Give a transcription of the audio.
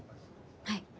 はい。